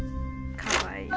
かわいい。